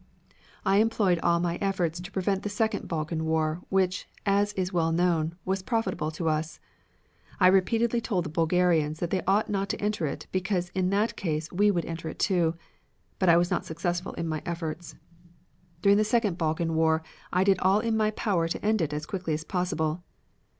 I employed all my efforts to prevent the second Balkan war, which, as is well known, was profitable to us. I repeatedly told the Bulgarians that they ought not to enter it because in that case we would enter it too. But I was not successful in my efforts. "During the second Balkan war I did all in my power to end it as quickly as possible.